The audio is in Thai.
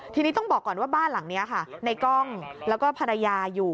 ทีนี้ต้องบอกก่อนว่าบ้านหลังนี้ค่ะในกล้องแล้วก็ภรรยาอยู่